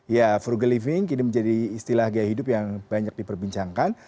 ya frugal living kini menjadi istilah gaya hidup yang banyak diperbincangkan